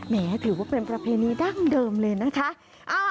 ถือว่าเป็นประเพณีดั้งเดิมเลยนะคะ